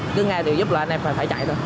mình cứ nghe được giúp là anh em phải chạy thôi